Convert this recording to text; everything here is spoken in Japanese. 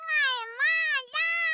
まだ！